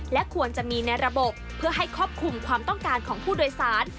และควรจะมีในระบบเพื่อให้ครอบคลุมความต้องการของผู้โดยสาร